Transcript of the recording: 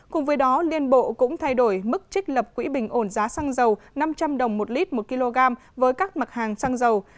cùng với đó liên bộ cũng thay đổi mức trích lập quỹ bình ổn giá xăng dầu năm trăm linh đồng một lít một kg với các mặt hàng xăng dầu